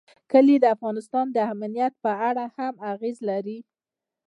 کلي د افغانستان د امنیت په اړه هم اغېز لري.